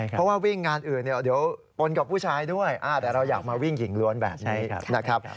เพราะว่าวิ่งงานอื่นเดี๋ยวปนกับผู้ชายด้วยแต่เราอยากมาวิ่งหญิงล้วนแบบนี้นะครับ